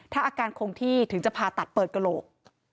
ถ้าอาการคงที่ถึงจะผ่าตัดเปิดกระโหลก